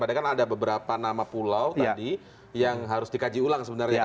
padahal kan ada beberapa nama pulau tadi yang harus dikaji ulang sebenarnya